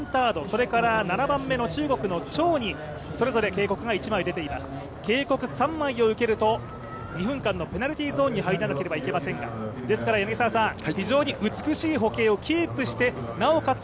それから７番目の中国の張にそれぞれ警告が１枚出ています、警告３枚を受けると２分間のペナルティーゾーンに入らなければいけませんがですから、非常に美しい歩型をキープしてなおかつ